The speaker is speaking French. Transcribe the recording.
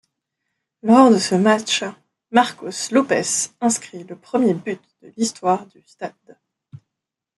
Lors de ce match, Marcos Lopes inscrit le premier but de l'histoire du stade.